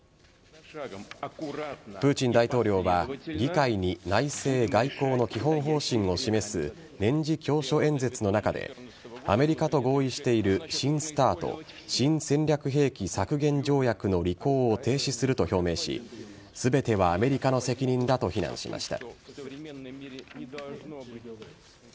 プーチン大統領は議会に内政・外交の基本方針を示す年次教書演説の中でアメリカと合意している新ＳＴＡＲＴ＝新戦略兵器削減条約の履行を停止すると表明し全てはアメリカの責任だと非難しました。